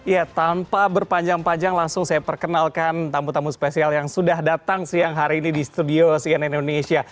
ya tanpa berpanjang panjang langsung saya perkenalkan tamu tamu spesial yang sudah datang siang hari ini di studio cnn indonesia